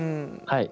はい。